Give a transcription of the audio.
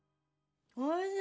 おいしい。